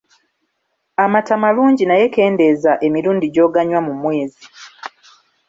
Amata malungi naye kendeeza emirundi gy'oganywa mu mwezi.